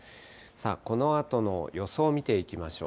このあとの予想を見ていきましょう。